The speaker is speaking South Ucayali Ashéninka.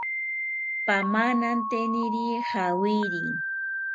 Pamananteniri jawiri